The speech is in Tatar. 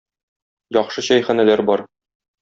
Яхшы чәйханәләр бар.